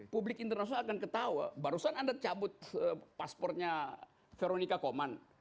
publik internasional akan ketawa barusan anda cabut paspornya veronica koman